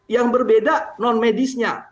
yang berbeda non medisnya